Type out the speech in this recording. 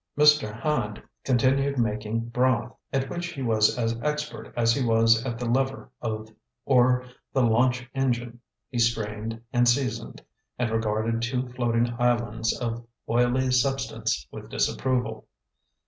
Mr. Hand continued making broth at which he was as expert as he was at the lever or the launch engine. He strained and seasoned, and regarded two floating islands of oily substance with disapproval.